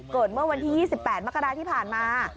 เกิดเมื่อวันที่๒๘มกราศน์ที่ผ่านมา